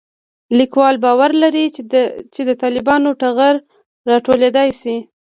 لیکوال باور لري چې د طالبانو ټغر راټولېدای شي